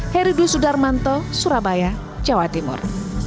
heri dlu sudarmanto surabaya jawa timur